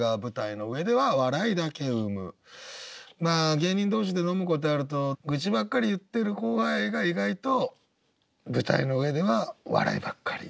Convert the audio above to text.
芸人同士で飲むことあると愚痴ばっかり言ってる後輩が意外と舞台の上ではお笑いばっかり。